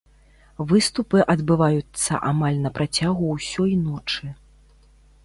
Выступы адбываюцца амаль на працягу ўсёй ночы.